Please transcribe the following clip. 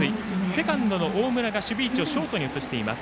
セカンドの大村が守備位置をショートに移しています。